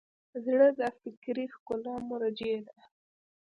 زړه د فکري ښکلا مرجع ده.